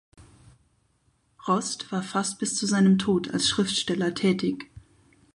Rost war fast bis zu seinem Tod als Schriftsteller tätig.